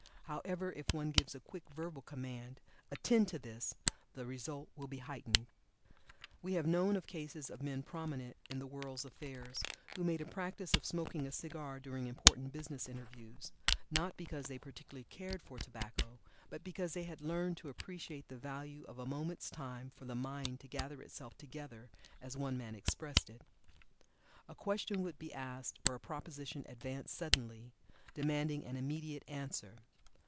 However, if one gives a quick verbal command "Attend to this," the result will be heightened. We have known of cases of men prominent in the world's affairs who made a practice of smoking a cigar during important business interviews, not because they particularly cared for tobacco, but because they had learned to appreciate the value of a moment's time for the mind to "gather itself together," as one man expressed it. A question would be asked, or a proposition advanced suddenly, demanding an immediate answer.